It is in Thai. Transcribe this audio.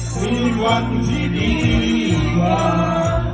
มีวันที่ดีกว่า